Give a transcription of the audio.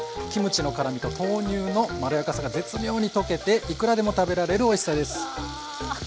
キムチの辛みと豆乳のまろやかさが絶妙に溶けていくらでも食べられるおいしさです！